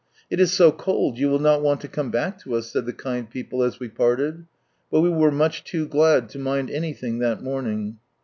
" It is so cold, you will not want to come back to us," said the kind people as we parted ; but we were much too glad to mind anything that morning.